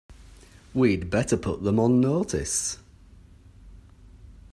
We'd better put them on notice